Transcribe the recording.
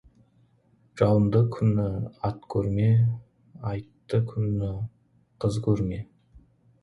Жауынды күні ат көрме, айтты күні қыз көрме.